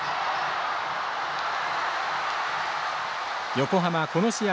横浜、この試合